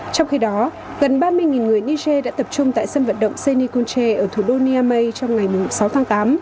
trong khi đó gần ba mươi người niger đã tập trung tại sân vận động senikunche ở thủ đô niamey trong ngày sáu tháng tám